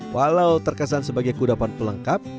walau terkesan sebagai kudapan pelengkap